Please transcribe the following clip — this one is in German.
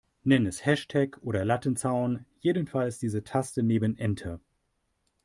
Nenn es Hashtag oder Lattenzaun, jedenfalls diese Taste neben Enter.